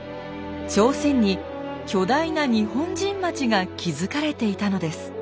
朝鮮に巨大な日本人町が築かれていたのです。